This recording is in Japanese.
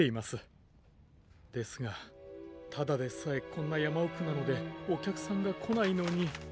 ですがただでさえこんなやまおくなのでおきゃくさんがこないのに。